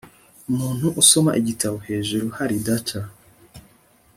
umuntu usoma igitabo hejuru hari data